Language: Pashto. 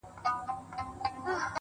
د ښكلاگانو د لاس ور مات كړی.!